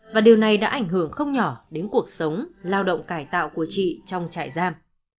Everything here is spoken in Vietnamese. và điều này đã ảnh hưởng không nhỏ đến cuộc sống lao động cải tạo của chị trong trại giam